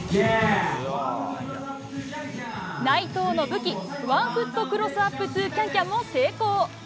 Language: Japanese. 内藤の武器ワンフット・クロスアップ・トゥ・キャンキャンも成功。